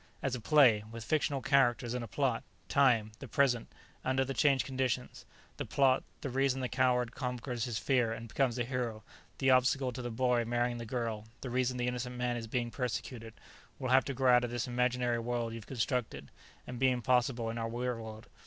"As a play, with fictional characters and a plot; time, the present, under the changed conditions. The plot the reason the coward conquers his fear and becomes a hero, the obstacle to the boy marrying the girl, the reason the innocent man is being persecuted will have to grow out of this imaginary world you've constructed, and be impossible in our real world.